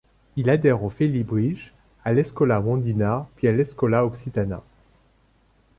Il adhère au Félibrige, à l'Escòla mondina puis à l'Escòla occitana.